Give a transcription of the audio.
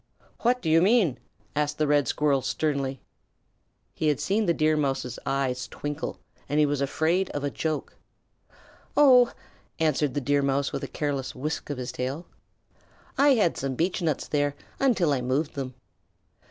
"Wh what do you mean?" asked the Red Squirrel sternly. He had seen the Deer Mouse's eyes twinkle and he was afraid of a joke. "Oh," answered the Deer Mouse with a careless whisk of his tail, "I had some beechnuts there until I moved them."